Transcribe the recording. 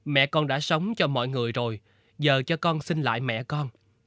mẹ con đã sống cho mọi người rồi giờ cho con sinh lại mẹ con